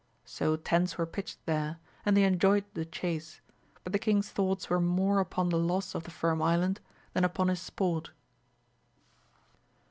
So tents were pitched there, and they enjoyed the chace, but the king's thoughts were more upon the loss of the Firm Island than upon his sport.